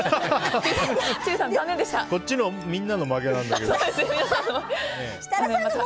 こっちのみんなの負けなんだけど。